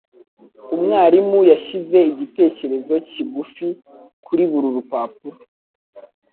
Umwarimu yashyize igitekerezo kigufi kuri buri rupapuro.